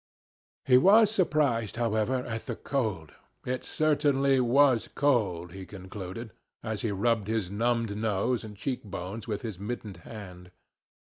He was surprised, however, at the cold. It certainly was cold, he concluded, as he rubbed his numbed nose and cheek bones with his mittened hand.